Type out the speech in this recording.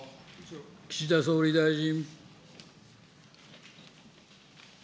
岸田総理大臣。